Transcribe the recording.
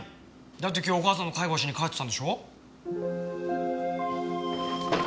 だって今日お母さんの介護しに帰ってたんでしょう？